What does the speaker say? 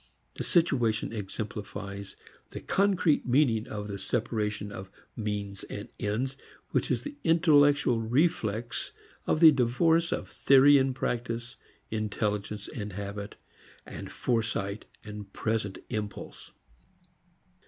The situation exemplifies the concrete meaning of the separation of means from ends which is the intellectual reflex of the divorce of theory and practice, intelligence and habit, foresight and present impulse.